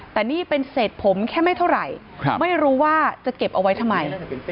แต่นี่เป็นเศษผมแค่ไม่เท่าไหร่ไม่รู้ว่าจะเก็บเอาไว้ทำไม